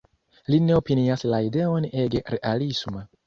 Li ne opinias la ideon ege realisma.